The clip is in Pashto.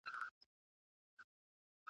هغه سړی پرون له کابل څخه کندهارد ته ولاړی.